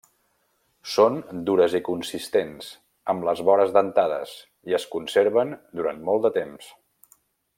Són dures i consistents, amb les vores dentades, i es conserven durant molt de temps.